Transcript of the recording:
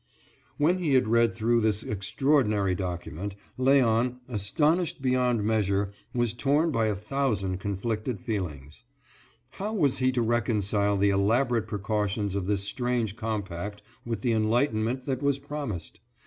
When he had read through this extraordinary document Léon, astonished beyond measure, was torn by a thousand conflicting feelings. How was he to reconcile the elaborate precautions of this strange compact with the enlightenment that was promised?